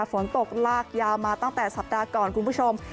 ฝนตกลากยาวมาตั้งแต่สัปดาห์ก่อนคุณผู้ชม